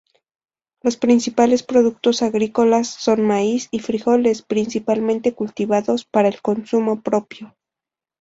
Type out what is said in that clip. Los principales productos agrícolas son maíz y frijoles, principalmente cultivados para el consumo propio.